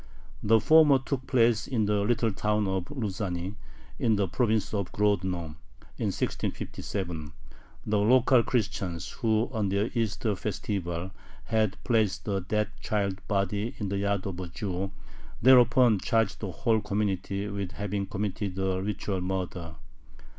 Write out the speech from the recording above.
The former took place in the little town of Ruzhany, in the province of Grodno, in 1657. The local Christians, who on their Easter festival had placed a dead child's body in the yard of a Jew, thereupon charged the whole community with having committed a ritual murder.